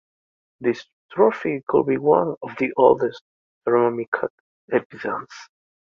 This trophy could be one of the oldest ceramic evidence.